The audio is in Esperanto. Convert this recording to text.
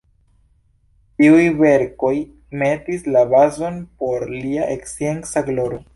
Tiuj verkoj metis la bazon por lia scienca gloro.